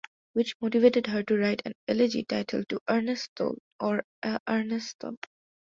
Which motivated her to write an elegy titled "To Ernesto" or "A Ernesto".